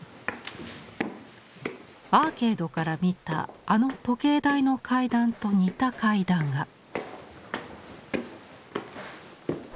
アーケードから見たあの時計台の階段と似た階段が。